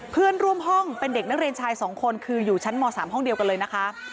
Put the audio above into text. เพื่อนร่วมห้องเป็นเด็กนักเรียนชาย๒คนคืออยู่ชั้นม๓ห้องเดียวกันเลยนะคะ